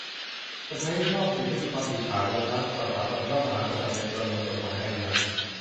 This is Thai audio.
เซอร์ไพรส์รอบดึก ! ไม่มีความผิดฐานล้มล้างสถาบันพระมหากษัตริย์ในประมวลกฎหมายอาญา